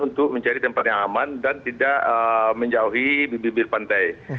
untuk mencari tempat yang aman dan tidak menjauhi bibir pantai